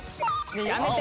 やめて！